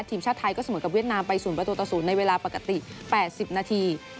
ทีมชาติไทยก็เสมอกับเวียดนามไป๐ประตูต่อ๐ในเวลาปกติ๘๐นาที